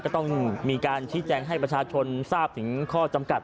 ก็ต้องมีการชี้แจงให้ประชาชนทราบถึงข้อจำกัด